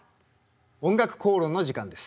「おんがくこうろん」の時間です。